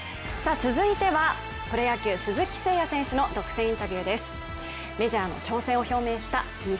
続いてはプロ野球、鈴木誠也選手の独占インタビューです。